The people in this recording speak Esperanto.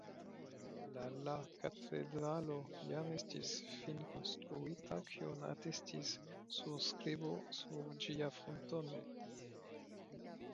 La la katedralo jam estis finkonstruita kion atestis surskribo sur ĝia frontono.